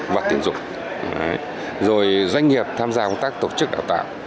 và doanh nghiệp tham gia công tác tổ chức đào tạo